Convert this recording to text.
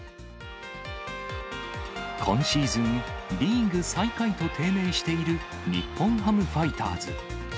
今シーズン、リーグ最下位と低迷している日本ハムファイターズ。